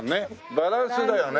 バランスだよね。